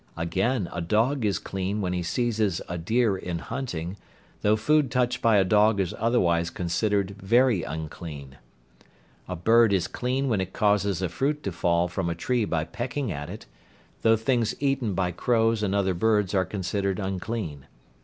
Again a dog is clean when he seizes a deer in hunting, though food touched by a dog is otherwise considered very unclean. A bird is clean when it causes a fruit to fall from a tree by pecking at it, though things eaten by crows and other birds are considered unclean.